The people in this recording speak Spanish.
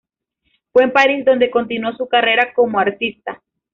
Fue en París donde continuó su carrera como artista.